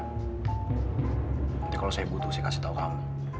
nanti kalau saya butuh sih kasih tahu kamu